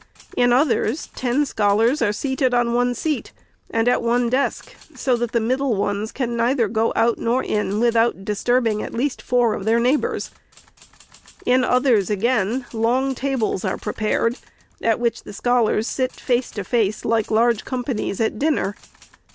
In others, ten scholars are seated on one seat, and at one desk, so that the middle ones can neither go out nor in ON SCHOOLHOUSES. 435 without disturbing, at least, four of their neighbors. In others, again, long tables are prepared, at which the scholars sit face to face, like large companies at dinner.